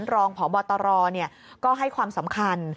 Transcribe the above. รองพบตรก็ให้ความสำคัญ